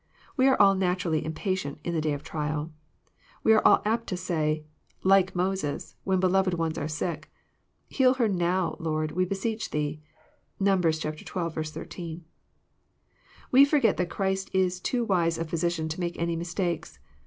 We are all naturally impatient in the day of trial. Wq are apt to say, like Moses, when beloved ones are sick, *' Heal her noto, Lord, we beseech thee." (Num. xii. 13.) We forget that Christ is too wise a Physician to make any mistakes.